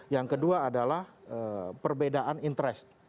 yang kedua adalah perbedaan interest